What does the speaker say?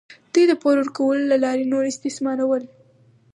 دوی د پور ورکولو له لارې نور استثمارول.